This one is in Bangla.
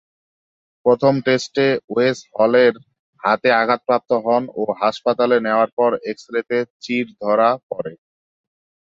প্রথম টেস্টে ওয়েস হলের হাতে আঘাতপ্রাপ্ত হন ও হাসপাতালে নেয়ার পর এক্স-রেতে চির ধরা পড়ে।